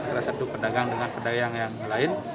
antara satu pedagang dengan pedagang yang lain